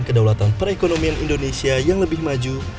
kedaulatan perekonomian indonesia yang lebih maju